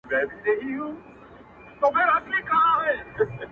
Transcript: ماخو ستا غمونه ځوروي گلي ؛